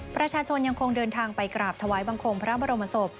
ประชาชนยังคงเดินทางไปกราบถวายบังคมพระบรมศพ